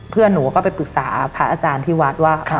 เพื่อนหนูก็ไปปรึกษาพระอาจารย์ที่วัดว่า